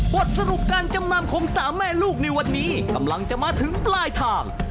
บทสรุปการจำนำของสามแม่ลูกในวันนี้กำลังจะมาถึงปลายทาง